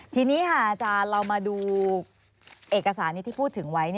ทีนี้ค่ะอาจารย์เรามาดูเอกสารนี้ที่พูดถึงไว้